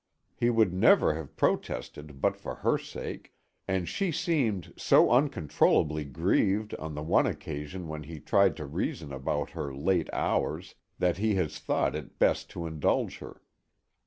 He would never have protested but for her sake, and she seemed so uncontrollably grieved on the one occasion when he tried to reason about her late hours, that he has thought it best to indulge her.